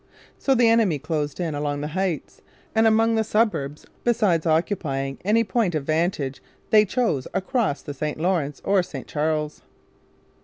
So the enemy closed in along the Heights' and among the suburbs, besides occupying any point of vantage they chose across the St Lawrence or St Charles.